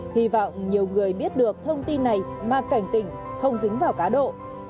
hy vọng nhiều người biết được thông tin này mà cảnh tỉnh không dính vào cá độ